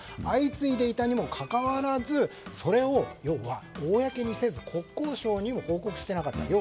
相次いでいたにもかかわらずそれを公にせず国交省にも報告していなかった。